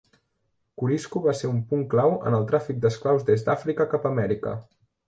Corisco va ser un punt clau en el tràfic d'esclaus des d'Àfrica cap Amèrica.